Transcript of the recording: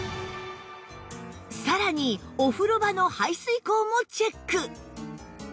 さらにお風呂場の排水口もチェック